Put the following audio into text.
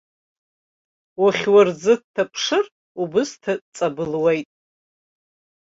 Ухьурӡы дҭаԥшыр, убысҭа ҵабылуеит!